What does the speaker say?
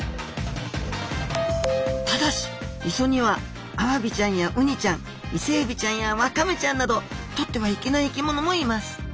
ただし磯にはアワビちゃんやウニちゃんイセエビちゃんやワカメちゃんなどとってはいけない生き物もいます。